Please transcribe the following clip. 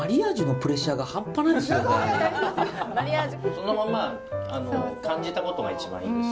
そのまま感じたことが一番いいです。